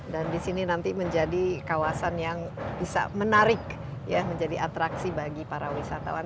dan di sini nanti menjadi kawasan yang bisa menarik ya menjadi atraksi bagi para wisatawan